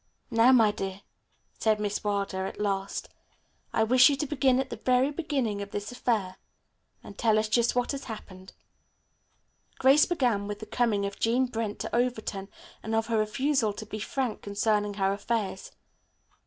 "Now my dear," said Miss Wilder at last, "I wish you to begin at the very beginning of this affair, and tell us just what has happened." Grace began with the coming of Jean Brent to Overton and of her refusal to be frank concerning her affairs.